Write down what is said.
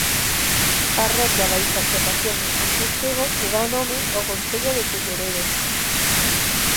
Parroquia baixo a advocación de santo Estevo que dá nome ao concello de Culleredo.